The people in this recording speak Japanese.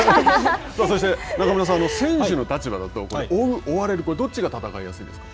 そして中村さん選手の立場だと追う、追われる、どっちが戦いやすいんですか。